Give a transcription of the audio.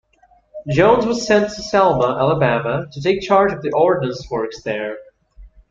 Jones was sent to Selma, Alabama, to take charge of the Ordnance Works there.